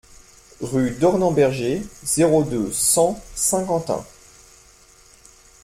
Rue Dornemberger, zéro deux, cent Saint-Quentin